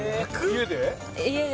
家で？